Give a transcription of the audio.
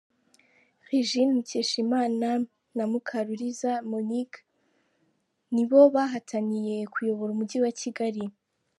Regine Mukeshimana na Mukaruliza Monique ni bo bahataniye kuyobora Umujyi wa Kigali.